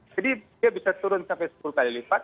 jadi dia bisa turun sampai sepuluh kali lipat